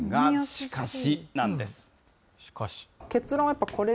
しかし？